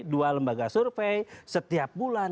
dua lembaga survei setiap bulan